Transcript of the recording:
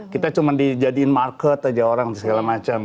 kita cuman dijadiin market aja orang segala macem